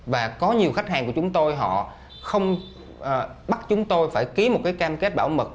và có nhiều khách hàng của chúng tôi họ bắt chúng tôi phải ký một cam kết bảo mật